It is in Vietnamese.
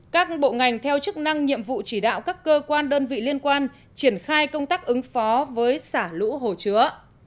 các bộ ngành theo chức năng nhiệm vụ chỉ đạo các cơ quan đơn vị liên quan triển khai công tác ứng phó với xả lũ hồ chứa